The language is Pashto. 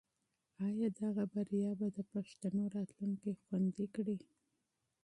آیا دغه بریا به د پښتنو راتلونکی خوندي کړي؟